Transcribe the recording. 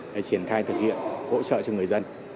để triển khai thực hiện hỗ trợ cho người dân